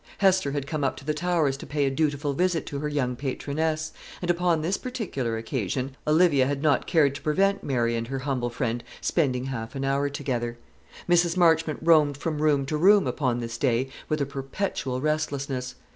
Hester had come up to the Towers to pay a dutiful visit to her young patroness; and upon this particular occasion Olivia had not cared to prevent Mary and her humble friend spending half an hour together. Mrs. Marchmont roamed from room to room upon this day, with a perpetual restlessness.